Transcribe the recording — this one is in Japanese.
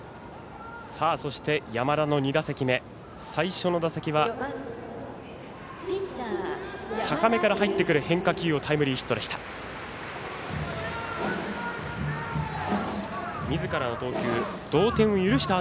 そして、山田の２打席目最初の打席は高めから入ってくる変化球をタイムリーヒットでした。